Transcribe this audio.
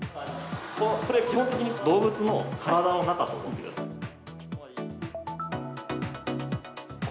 これ、基本的に動物の体の中と思ってください。